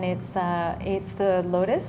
dan itu lotus